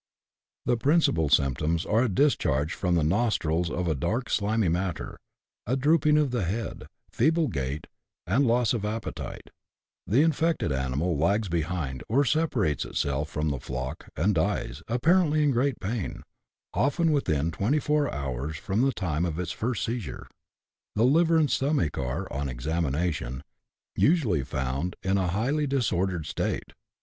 The principal symptoms are a discharge from the nostrils of a dark slimy matter, a drooping of the head, feeble gait, and loss of appetite; the infected animal lags behind, or separates itself from the flock, and dies, apparently in great pain, often within twenty four hours from the time of its first seizure. The liver and stomach are, on examination, usually found in a highly dis ordered state.